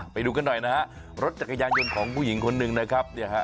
ไปดูกันหน่อยนะฮะรถจักรยานยนต์ของผู้หญิงคนหนึ่งนะครับเนี่ยฮะ